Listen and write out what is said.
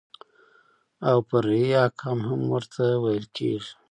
او فرعي احکام هم ورته ويل کېږي.